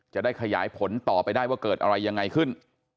จะได้ขยายผลต่อไปได้ว่าเกิดอะไรยังไงขึ้น